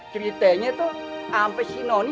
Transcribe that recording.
ceritanya tuh sampai si noni